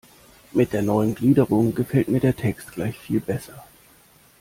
Mit der neuen Gliederung gefällt mir der Text gleich viel besser.